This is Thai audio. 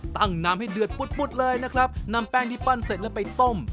น้ำให้เดือดปุ๊ดเลยนะครับนำแป้งที่ปั้นเสร็จแล้วไปต้ม